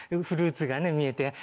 フルーツが見えて